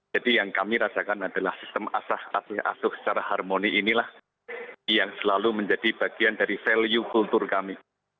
jadi yang kami rasakan adalah sistem asah asih dan asuf secara harmoni inilah yang selalu menjadi bagian dari value kultur kami